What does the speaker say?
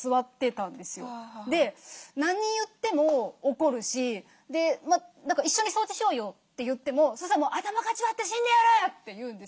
で何言っても怒るし「一緒に掃除しようよ」って言ってもそしたらもう「頭かち割って死んでやる！」って言うんですよ。